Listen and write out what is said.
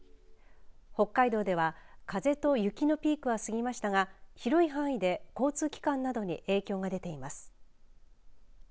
北海道では風と雪のピークは過ぎましたが広い範囲で交通機関などに影響が出ています。